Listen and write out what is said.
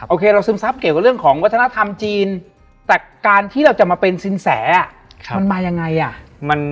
โคเราซึมซับเกี่ยวกับเรื่องของวัฒนธรรมจีนแต่การที่เราจะมาเป็นสินแสมันมายังไงอ่ะ